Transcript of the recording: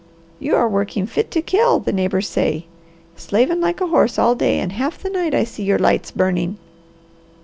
"You are working fit to kill, the neighbours say. Slavin' like a horse all day, and half the night I see your lights burning."